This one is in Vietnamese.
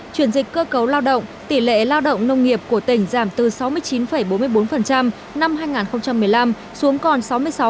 chuyển dịch cơ cấu lao động tỷ lệ lao động nông nghiệp của tỉnh giảm từ sáu mươi chín bốn mươi bốn năm hai nghìn một mươi năm xuống còn sáu mươi sáu chín năm hai nghìn một mươi bảy